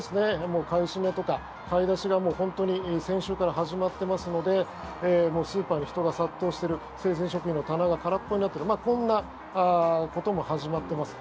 もう買い占めとか買い出しが先週から始まっていますのでスーパーに人が殺到している生鮮食品の棚が空っぽになっているこんなことも始まっています。